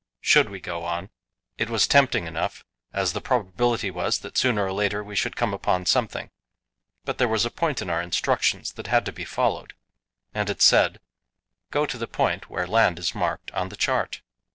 Should we go on? It was tempting enough, as the probability was that sooner or later we should come upon something; but there was a point in our instructions that had to be followed, and it said: Go to the point where land is marked on the chart.